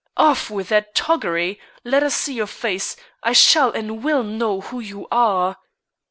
"Off with that toggery! Let us see your face! I shall and will know who you are."